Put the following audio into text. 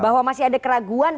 bahwa masih ada keraguan